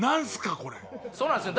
これそうなんですよ